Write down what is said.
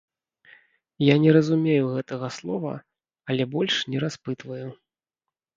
Я не разумею гэтага слова, але больш не распытваю.